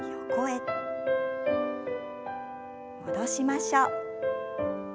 戻しましょう。